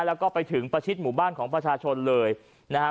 แล้วก็ไปถึงประชิดหมู่บ้านของประชาชนเลยนะฮะ